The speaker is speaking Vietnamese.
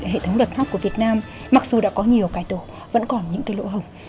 hệ thống luật pháp của việt nam mặc dù đã có nhiều cải tổ vẫn còn những lỗ hồng